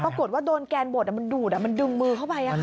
ปรากฏว่าโดนแกนบดมันดูดมันดึงมือเข้าไป